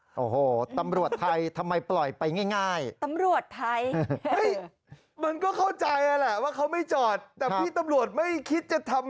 โอ้โหตำรวจไทยทำไมปล่อยไปง่ายตำรวจไทยมันก็เข้าใจแหละว่าเขาไม่จอดแต่พี่ตำรวจไม่คิดจะทำ